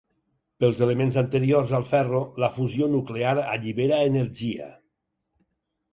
Pels elements anteriors al ferro, la fusió nuclear allibera energia.